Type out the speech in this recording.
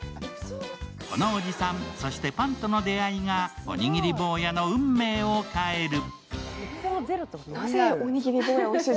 このおじさん、そしてパンとの出会いがおにぎりぼうやの運命を変える。